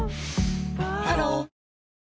ハロー